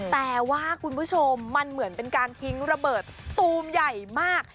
แต่ว่าคุณผู้ชมมันเหมือนเป็นการทิ้งระเบิดตูมใหญ่มาก